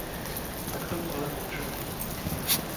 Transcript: Tak tomu ale bohužel není.